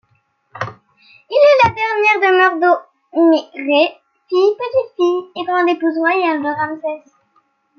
Il est la dernière demeure d'Hénoutmirê, fille, petite-fille et grande épouse royale de Ramsès.